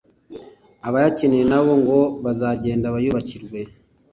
abayakeneye nabo ngo bazagenda bayubakirwa